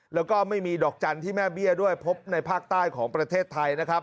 แล้วก็ไม่มีดอกจันทร์ที่แม่เบี้ยด้วยพบในภาคใต้ของประเทศไทยนะครับ